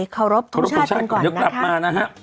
เคารพทุกชาติก่อนนะครับเดี๋ยวกลับมานะฮะ